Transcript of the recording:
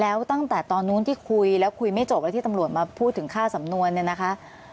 แล้วตั้งแต่ตอนนู้นที่คุยแล้วคุยไม่จบแล้วที่ตำรวจมาพูดถึงค่าสำนวนเนี่ยนะคะ